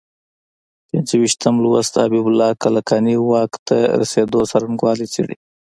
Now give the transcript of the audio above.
پنځه ویشتم لوست حبیب الله کلکاني واک ته رسېدو څرنګوالی څېړي.